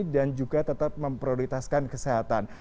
dan juga tetap memprioritaskan kesehatan